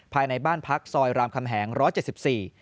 ภายในบ้านพักซอยรามคำแหงร้อย๗๔